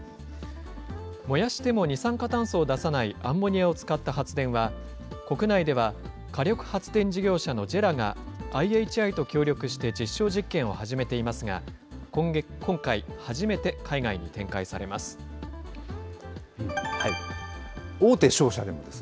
燃やしても二酸化炭素を出さない、アンモニアを使った発電は、国内では火力発電事業者のＪＥＲＡがＩＨＩと協力して実証実験を始めていますが、今回、初めて海外に展開されます。